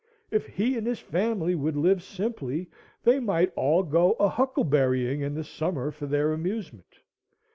If he and his family would live simply, they might all go a huckleberrying in the summer for their amusement.